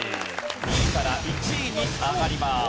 ２位から１位に上がります。